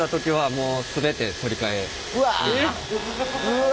うわ。